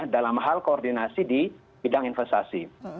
dalam hal koordinasi di bidang investasi